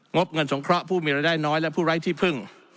บเงินสงเคราะห์ผู้มีรายได้น้อยและผู้ไร้ที่พึ่ง